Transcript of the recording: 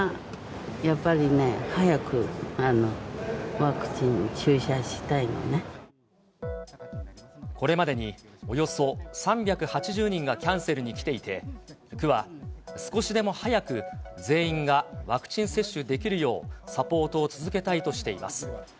やっぱりね、これまでに、およそ３８０人がキャンセルに来ていて、区は、少しでも早く全員がワクチン接種できるようサポートを続けたいとしています。